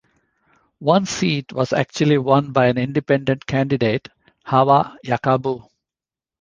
One seat was actually won by an independent candidate, Hawa Yakubu.